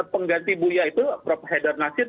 pengganti buya itu prof haidar nasir